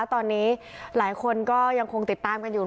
ตอนนี้หลายคนก็ยังคงติดตามกันอยู่